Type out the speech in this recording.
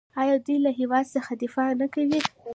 آیا دوی له هیواد څخه دفاع نه کوي؟